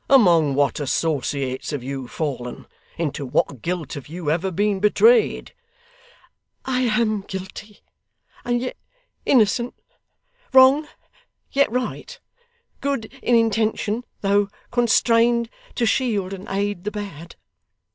'Among what associates have you fallen? Into what guilt have you ever been betrayed?' 'I am guilty, and yet innocent; wrong, yet right; good in intention, though constrained to shield and aid the bad.